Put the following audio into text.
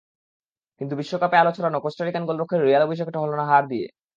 কিন্তু বিশ্বকাপে আলো ছড়ানো কোস্টারিকান গোলরক্ষকের রিয়াল অভিষেকটা হলো হার দিয়ে।